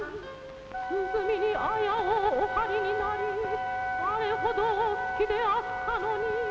「鼓に綾をお張りになりあれほどお好きであったのに」